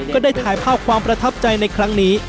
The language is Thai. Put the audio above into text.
ก็ได้ถ่ายภาพความประทับใจในครั้งนี้